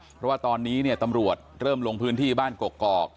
เพราะว่าตอนนี้เนี่ยตำรวจเริ่มลงพื้นที่บ้านกกอก